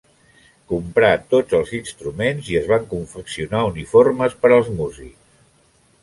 Comprar tots els instruments i es van confeccionar uniformes per als músics.